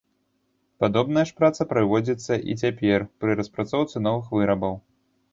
Падобная ж праца праводзіцца і цяпер пры распрацоўцы новых вырабаў.